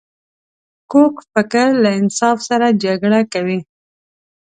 کوږ فکر له انصاف سره جګړه کوي